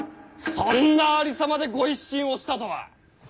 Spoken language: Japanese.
そんなありさまで御一新をしたとは。